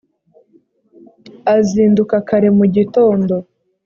azinduka kare mu gitondo